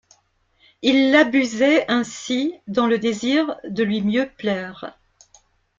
Il l'abusait ainsi dans le désir de lui mieux plaire.